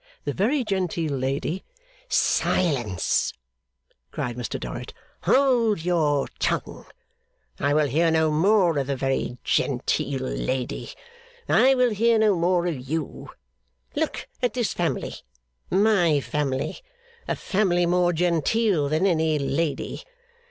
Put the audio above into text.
The very genteel lady 'Silence!' cried Mr Dorrit. 'Hold your tongue! I will hear no more of the very genteel lady; I will hear no more of you. Look at this family my family a family more genteel than any lady.